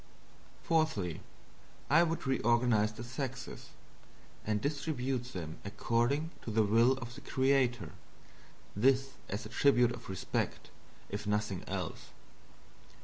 '" Fourthly, I would reorganizes the sexes, and distribute them accordingly to the will of the creator. This as a tribute of respect, if nothing else.